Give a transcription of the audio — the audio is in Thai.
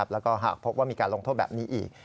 แล้วก็หากพบว่ามีการลงโทษแบบนี้อีก